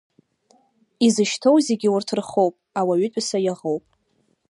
Изышьҭоу зегьы урҭ рхоуп, ауаҩытәыҩса иаӷоуп.